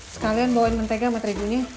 sekalian bawain mentega sama terigunya